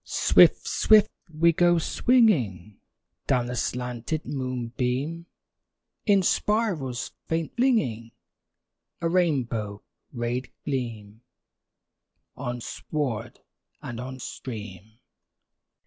Swift, swift we go swinging Down the slanted moonbeam, In spirals faint flinging A rainbow rayed gleam On sward and on stream.